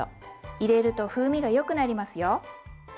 入れると風味がよくなりますよ。